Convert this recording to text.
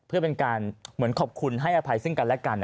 เพื่อเป็นการเหมือนขอบคุณให้อภัยซึ่งกันและกัน